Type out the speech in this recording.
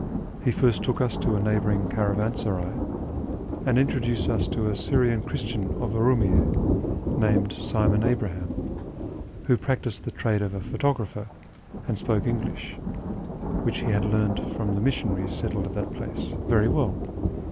He first took us to a neighbouring caravansaray and introduced us to a Syrian Christian of Urumiyye, named Simon Abraham, who practised the trade of a photographer, and spoke English (which he had learned from the missionaries settled at that place) very well.